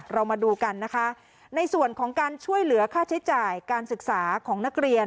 เรามาดูกันนะคะในส่วนของการช่วยเหลือค่าใช้จ่ายการศึกษาของนักเรียน